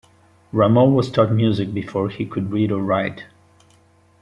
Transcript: Rameau was taught music before he could read or write.